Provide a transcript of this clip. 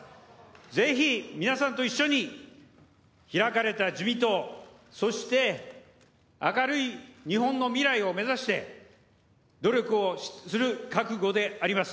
ぜひ皆さんと一緒に開かれた自民党、そして明るい日本の未来を目指して努力をする覚悟であります。